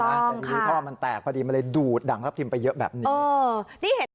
ใช่แต่ที่ท่อมันแตกพอดีแล้วดูดด่างทับทิมไปเยอะแบบนี้